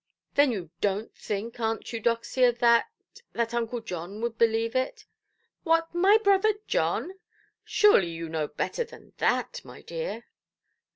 "Then you donʼt think, dear Aunt Eudoxia, that—that Uncle John would believe it"? "What, my brother John! Surely you know better than that, my dear".